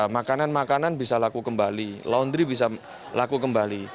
makanan makanan bisa laku kembali laundry bisa laku kembali